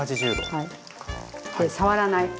はい。